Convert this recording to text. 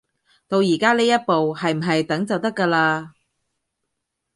到而家呢一步，係唔係等就得㗎喇